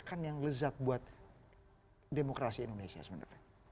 kan yang lezat buat demokrasi indonesia sebenarnya